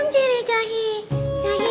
om dijaga di syari